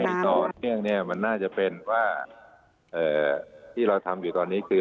ต่อเนื่องเนี่ยมันน่าจะเป็นว่าที่เราทำอยู่ตอนนี้คือ